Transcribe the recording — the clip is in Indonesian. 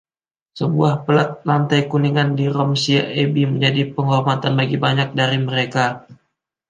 Sebuah pelat lantai kuningan di Romsey Abbey menjadi penghormatan bagi banyak dari mereka.